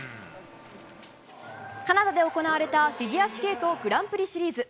カナダで行われたフィギュアスケートグランプリシリーズ。